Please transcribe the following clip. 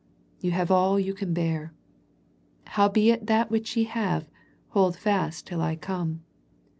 You have all you can bear. " Howbeit that which ye have, hold fast till I come."